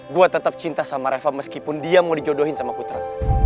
gue tetap cinta sama reva meskipun dia mau dijodohin sama putra